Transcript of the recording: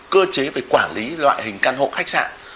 cơ chế về quản lý loại hình căn hộ khách sạn